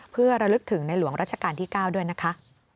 เพื่อระลึกถึงในหลวงรัชกาลที่๙ด้วยนะคะ